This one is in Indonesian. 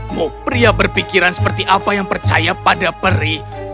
mau pria berpikiran seperti apa yang percaya pada peri